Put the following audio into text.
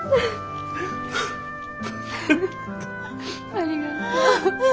ありがとう。